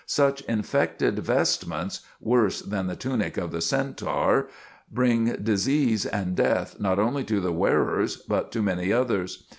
Such infected vestments worse than the tunic of the Centaur bring disease and death not only to the wearers, but to many others.